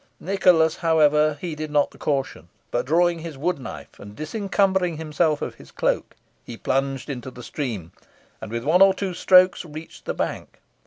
Nicholas, however, heeded not the caution, but, drawing his wood knife, and disencumbering himself of his cloak, he plunged into the stream, and with one or two strokes reached the bank.